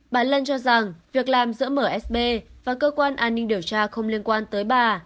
bà lân cho rằng việc làm giữa msb và cơ quan an ninh điều tra không liên quan tới bà